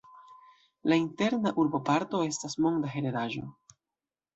La Interna urboparto estas Monda Heredaĵo.